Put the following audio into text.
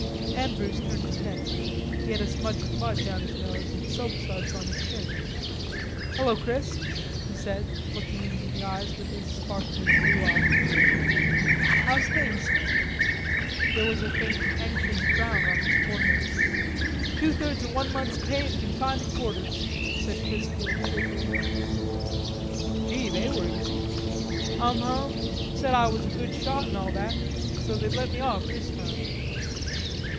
Andrews turned his head; he had a smudge of mud down his nose and soapsuds on his chin. "Hello, Chris," he said, looking him in the eyes with his sparkling blue eyes, "how's things?" There was a faint anxious frown on his forehead. "Two thirds of one month's pay an' confined to quarters," said Chrisfield cheerfully. "Gee, they were easy." "Um hum, said Ah was a good shot an' all that, so they'd let me off this time."